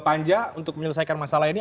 panja untuk menyelesaikan masalah ini